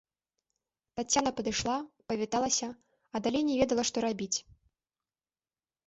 Таццяна падышла, павіталася, а далей не ведала, што рабіць.